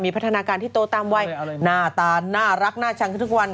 มีพัฒนาการที่โตตามไวหน้าตาหน้ารักหน้าชังทุกวัน